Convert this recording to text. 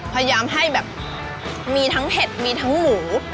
พยายามให้แบบมีทั้งเห็ดมีทั้งหมู